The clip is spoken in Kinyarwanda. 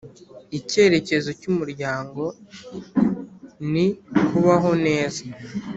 Icyerekezo cy Umuryango ni kubaho neza